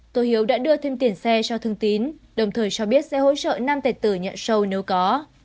tô hiếu đã đưa thêm tiền xe cho thương tín đồng thời cho biết sẽ hỗ trợ nam tài tử nhận show nếu có